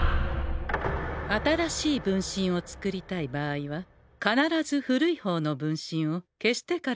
新しい分身を作りたい場合は必ず古い方の分身を消してからにしてくださんせ。